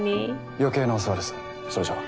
余計なお世話ですそれじゃ。